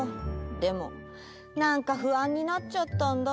でもなんかふあんになっちゃったんだ。